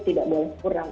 tidak boleh kurang